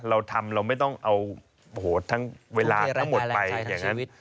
เราทำเราไม่ต้องเอาโหทั้งเวลาทั้งหมดไป